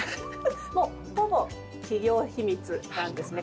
もうほぼ企業秘密なんですね。